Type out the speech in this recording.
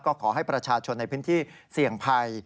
ก็ขอให้ประชาชนในพื้นที่เสี่ยงภัย